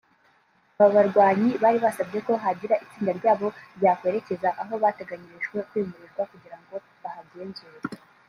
Aba barwanyi bari basabye ko hagira itsinda ryabo ryakwerekeza aho bateganyirijwe kwimurirwa kugira ngo bahagenzure